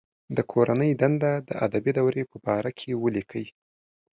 د کورنۍ دنده د ادبي دورې په باره کې ولیکئ.